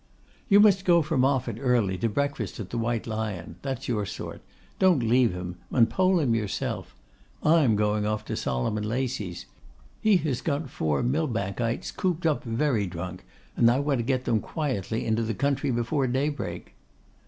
'You must go for Moffatt early, to breakfast at the White Lion; that's your sort. Don't leave him, and poll him your self. I am going off to Solomon Lacey's. He has got four Millbankites cooped up very drunk, and I want to get them quietly into the country before daybreak.